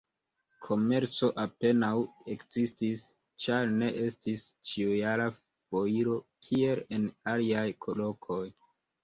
Komerco apenaŭ ekzistis, ĉar ne estis ĉiujara foiro, kiel en aliaj lokoj.